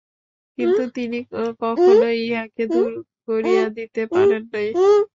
কিন্তু তিনি কখনও ইহাকে দূর করিয়া দিতে পারেন নাই।